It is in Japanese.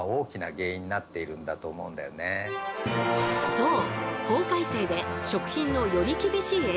そう！